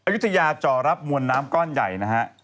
ยุธยาจอรับมวลน้ำก้อนใหญ่นะฮะ